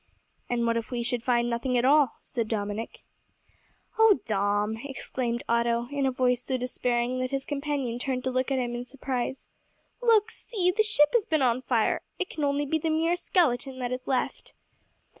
"And what if we should find nothing at all?" said Dominick. "O Dom!" exclaimed Otto, in a voice so despairing that his companion turned to look at him in surprise. "Look! see! the ship has been on fire! It can only be the mere skeleton that is left."